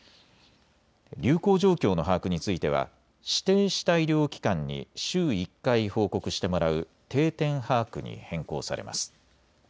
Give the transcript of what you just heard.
流行状況の把握については指定した医療機関に週１回報告してもらう定点把握に変更されます。